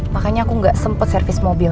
makanya aku ga sempet servis mobil